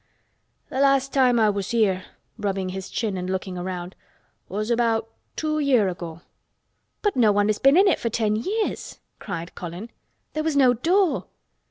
"Th' last time I was here," rubbing his chin and looking round, "was about two year' ago." "But no one has been in it for ten years!" cried Colin. "There was no door!"